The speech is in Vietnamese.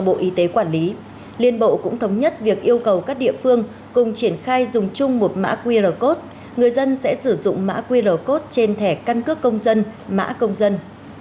bộ y tế quản lý liên bộ cũng thống nhất việc yêu cầu các địa phương cùng triển khai dùng chung một mã qr code người dân sẽ sử dụng mã qr code trên thẻ căn cước công dân mã công dân